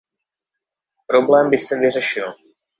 Problém by se vyřešil.